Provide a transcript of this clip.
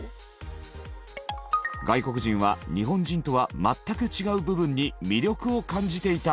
外国人は日本人とは全く違う部分に魅力を感じていた！